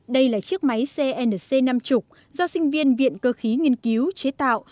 đây là chiếc máy cnc năm mươi do sinh viên viện cơ khí nghiên cứu chế tạo